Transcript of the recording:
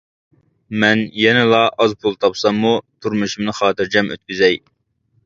مەن يەنىلا ئاز پۇل تاپساممۇ تۇرمۇشۇمنى خاتىرجەم ئۆتكۈزەي.